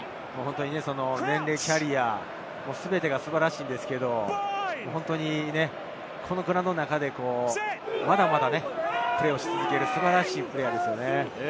年齢、キャリア、全てが素晴らしいんですけれど、グラウンドの中で、まだまだプレーをし続ける素晴らしいプレーヤーですよね。